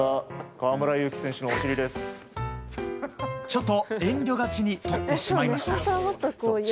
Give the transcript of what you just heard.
ちょっと遠慮がちに撮ってしまいました。